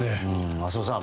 浅尾さん